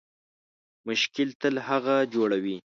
مشکل تل هغه جوړوي